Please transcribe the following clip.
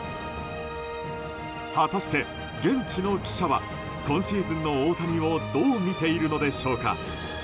果たして、現地の記者は今シーズンの大谷をどう見ているのでしょうか。